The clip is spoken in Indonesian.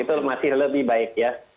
itu masih lebih baik ya